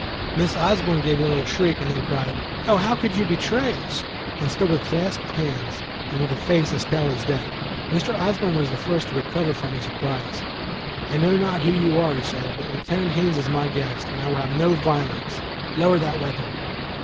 Miss Osborne gave a little shriek, and then cried. "Oh, how could you betray us!" and stood with clasped hands, and with face as pale as death. Mr. Osborne was the first to recover from his surprise. "I know not who you are," he said, "but Lieutenant Haines is my guest, and I will have no violence. Lower that weapon!"